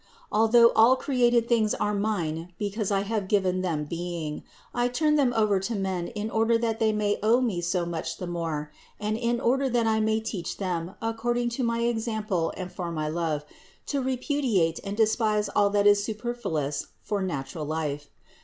Although all created things are mine because I have given them being, I turn them all over to men in order that they may owe Me so much the more and in order that I may teach them, according to my example and for my love, to repudiate and despise all that is superfluous for natural life.